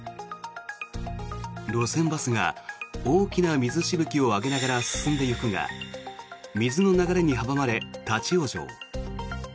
路線バスが大きな水しぶきを上げながら進んでいくが水の流れに阻まれ、立ち往生。